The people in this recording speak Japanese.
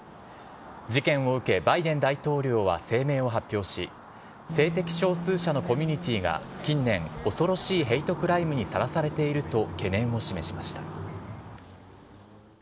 事件を受け、バイデン大統領は声明を発表し、性的少数者のコミュニティーが近年、恐ろしいヘイトクライムにさらされていると懸念を示しました。